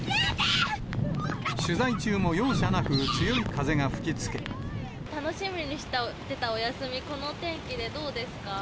取材中も容赦なく、強い風が楽しみにしてたお休み、このお天気でどうですか？